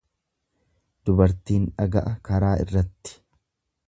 Dubartiin dhaga'a karaa irratti.